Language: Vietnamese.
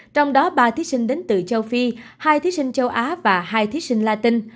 trong đó ba thí sinh đến từ châu phi hai thí sinh châu á và hai thí sinh latin